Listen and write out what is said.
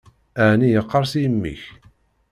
Ɛni yeqqers yimi-k?